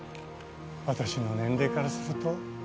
私の年齢からすると